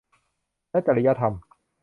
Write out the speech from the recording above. และจริยธรรม